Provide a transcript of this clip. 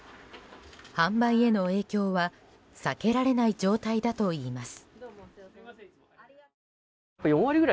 販売への影響は避けられない状態だといいます。